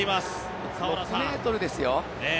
６ｍですよ